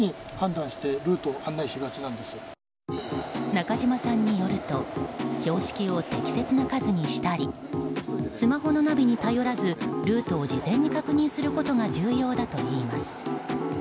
中島さんによると標識を適切な数にしたりスマホのナビに頼らずルートを事前に確認することが重要だといいます。